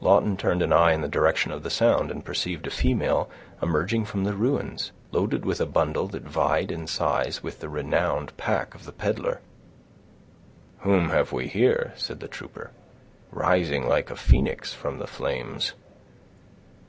Lawton turned an eye in the direction of the sound, and perceived a female emerging from the ruins, loaded with a bundle that vied in size with the renowned pack of the peddler. "Whom have we here," said the trooper, "rising like a phoenix from the flames?